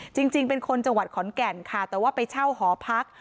จริงเป็นคนจังหวัดขอนแก่นค่ะแต่ว่าไปเช่าหอพัก